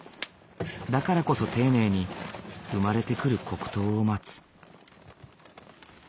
だからこそ丁寧に生まれてくる黒糖を待つ。